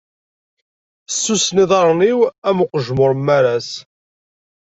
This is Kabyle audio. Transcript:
Ssusen iḍaṛṛen-iw am uqejmuṛ n maras.